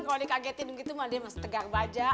kalau dikagetin begitu malah dia masih tegar baja